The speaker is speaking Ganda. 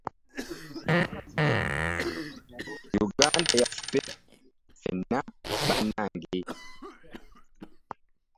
Yuganda yaffe ffenna bannange.